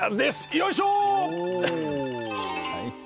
よいしょ！